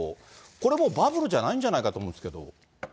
これ、もうバブルじゃないんじゃないかと思うんですけど。